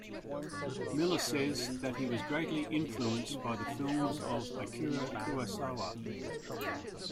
Miller says that he was greatly influenced by the films of Akira Kurosawa.